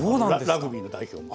ラグビーの代表も。